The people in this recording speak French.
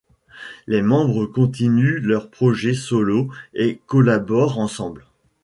Les membres continuent leurs projets solos et collaborent ensemble.